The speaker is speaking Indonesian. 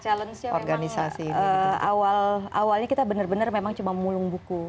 challenge nya memang awalnya kita benar benar memang cuma mulung buku